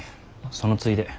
そのついで。